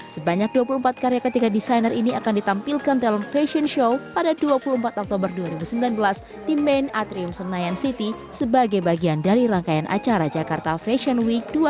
sebanyak dua puluh empat karya ketiga desainer ini akan ditampilkan dalam fashion show pada dua puluh empat oktober dua ribu sembilan belas di main atrium senayan city sebagai bagian dari rangkaian acara jakarta fashion week dua ribu dua puluh